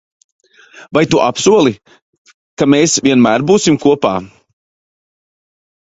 Vai tu apsoli, ka mēs vienmēr būsim kopā?